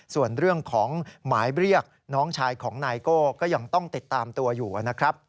ส่วนเรื่องของหมายเรียกน้องชายของนายโก้ก็ยังต้องติดตามตัวอยู่นะครับ